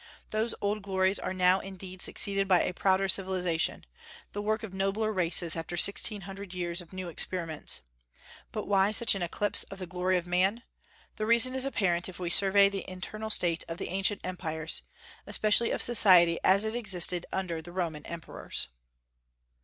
Those old glories are now indeed succeeded by a prouder civilization, the work of nobler races after sixteen hundred years of new experiments. But why such an eclipse of the glory of man? The reason is apparent if we survey the internal state of the ancient empires, especially of society as it existed under the Roman emperors.